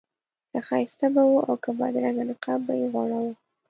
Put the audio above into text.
که ښایسته به و او که بدرنګه نقاب به یې غوړاوه.